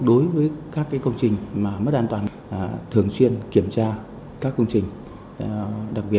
đối với các công trình mất đại